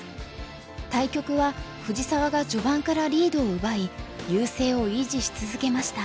対局は藤沢が序盤からリードを奪い優勢を維持し続けました。